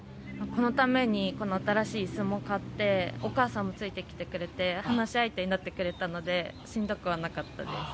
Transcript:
このために、新しい椅子も買ってお母さんもついてきてくれて、話し相手になってくれたのでしんどくはなかったです。